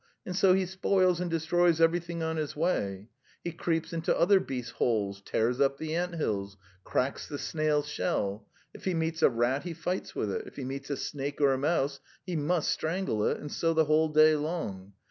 . and so he spoils and destroys everything on his way. ... He creeps into other beasts' holes, tears up the anthills, cracks the snail's shell. If he meets a rat, he fights with it; if he meets a snake or a mouse, he must strangle it; and so the whole day long.